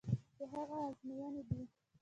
د هغه ازموینې دي.